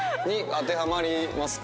当てはまりますか？